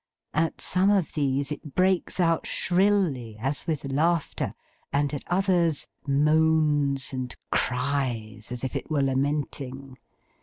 At some of these, it breaks out shrilly, as with laughter; and at others, moans and cries as if it were lamenting.